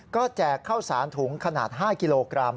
ก็แจกข้าวสารถุงขนาด๕กิโลกรัม